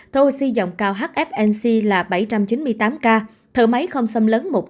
thở oxy dòng cao hfnc là bảy trăm chín mươi tám ca thở máy không xâm lấn một trăm bốn mươi ba ca